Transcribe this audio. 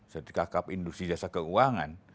setiap kakak induksi jasa keuangan